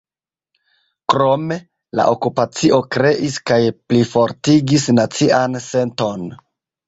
Krome, la okupacio kreis kaj plifortigis nacian senton.